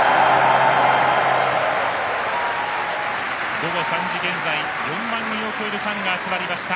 午後３時現在４万人を超えるファンが集まりました。